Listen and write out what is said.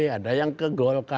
ada yang ke golkar